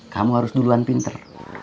kamu harus duluan pinter